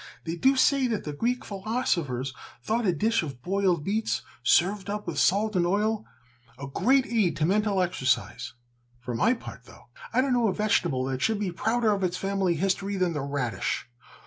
"They do say that the Greek philosophers thought a dish of boiled beets, served up with salt and oil, a great aid to mental exercise. For my part, though, I don't know a vegetable that should be prouder of its family history than the radish.